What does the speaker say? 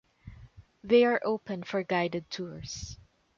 They are open for guided tours.